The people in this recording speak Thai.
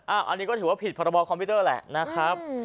อันนี้ก็ถือว่าผิดพรบคอมพิวเตอร์แหละนะครับ